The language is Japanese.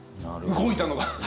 動いたのが。